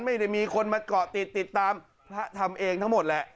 ไม่ได้มีคนมาเกาะติดติดตามพระทำเองทั้งหมดแหละ